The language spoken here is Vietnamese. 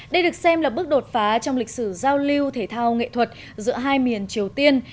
đây được xem là bước đột phá trong lịch sử giao lưu thể thao nghệ thuật giữa hai miền triều tiên